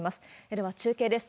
では中継です。